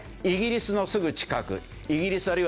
イギリスのすぐ近くイギリス